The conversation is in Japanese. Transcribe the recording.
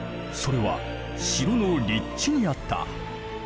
それは城の立地にあった。